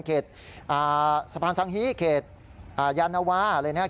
เขตสะพานสังฮีเขตยานวาอะไรนะครับ